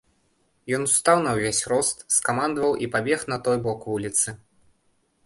Ён устаў на ўвесь рост, скамандаваў і пабег на той бок вуліцы.